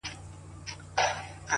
یو ناڅاپه یې ور پام سو کښتی وان ته!.